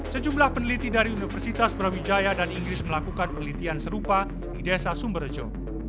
sejumlah peneliti dari universitas brawijaya dan inggris melakukan penelitian serupa di desa sumberjo